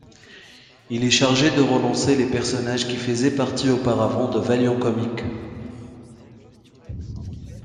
Il est chargé de relancer les personnages qui faisaient partie auparavant de Valiant Comics.